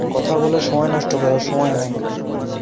কথা বলে নষ্ট করার সময় নেই।